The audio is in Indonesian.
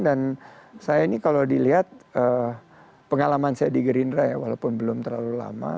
dan saya ini kalau dilihat pengalaman saya di gerindra ya walaupun belum terlalu lama